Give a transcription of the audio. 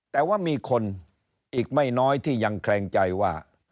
แต่ว่ามีคนอีกไม่น้อยที่ยังแคลงใจว่า